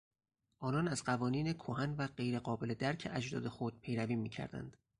آنان از قوانین کهن و غیر قابل درک اجداد خود پیروی میکردند.